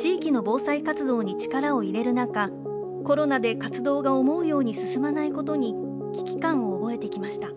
地域の防災活動に力を入れる中、コロナで活動が思うように進まないことに、危機感を覚えてきました。